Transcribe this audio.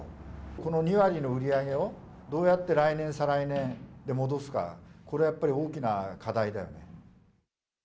この２割の売り上げをどうやって来年、再来年で戻すか、これはやっぱり大きな課題だよね。